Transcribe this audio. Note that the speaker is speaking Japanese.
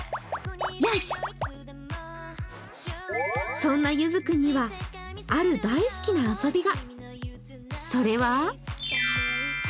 そんなゆずくんには、ある大好きな遊びが。